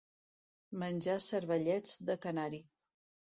Menjar cervellets de canari.